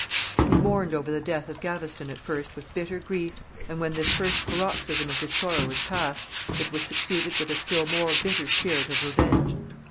He mourned over the death of Gaveston at first with bitter grief, and when this first paroxysm of his sorrow was passed, it was succeeded with a still more bitter spirit of revenge.